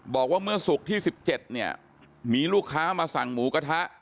บอกว่าเมื่อศุกร์ที่๑๗เนี่ยมีลูกค้ามาสั่งหมูกระทะ